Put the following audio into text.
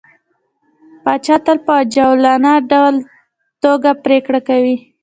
پاچا تل په عجولانه ټوګه پرېکړه کوي.